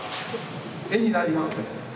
絵になりますね。